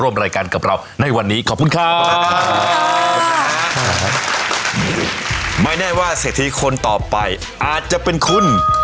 ไม่แน่ว่าเศรษฐีคนต่อไปอาจจะเป็นคุณ